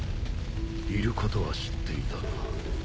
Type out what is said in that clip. いることは知っていたが。